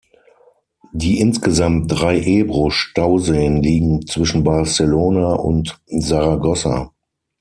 Die insgesamt drei Ebro-Stauseen liegen zwischen Barcelona und Saragossa.